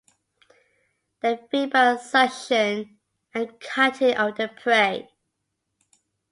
They feed by suction and cutting of their prey.